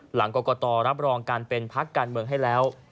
หลังกรกตรับรองการเป็นพักการเมืองให้แล้ว